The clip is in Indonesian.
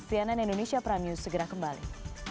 cnn indonesia prime news segera kembali